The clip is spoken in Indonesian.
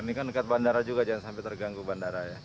ini kan dekat bandara juga jangan sampai terganggu bandara ya